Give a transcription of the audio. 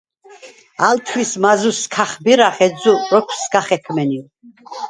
ალ თვის მაზუს ქახბირახ, ეჯზუ როქვ სგა ხექმენივ.